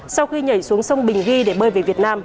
sau khi nhảy xuống sông bình ghi để bơi về việt nam